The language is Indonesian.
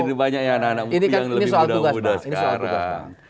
itu banyak anak anak mumpi yang lebih muda muda sekarang